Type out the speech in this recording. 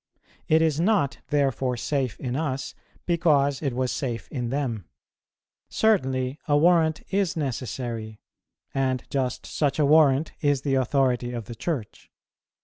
It is not therefore safe in us, because it was safe in them. Certainly a warrant is necessary; and just such a warrant is the authority of the Church.